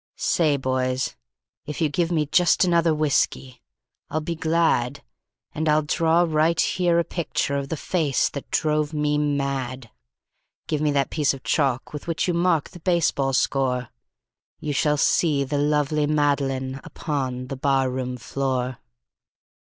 "Say, boys, if you give me just another whiskey I'll be glad, And I'll draw right here a picture of the face that drove me mad. Give me that piece of chalk with which you mark the baseball score You shall see the lovely Madeline upon the barroon floor."